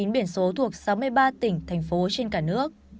chín mươi chín biển số thuộc sáu mươi ba tỉnh thành phố trên cả nước